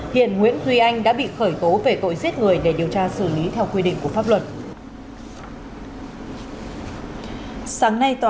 hiện nguyễn duy anh đã bị khởi tố về tội giết người để điều tra xử lý theo quy định của pháp luật